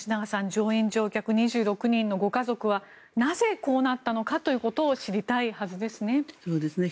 乗員・乗客２５人のご家族はなぜこうなったのかということを知りたいはずですね。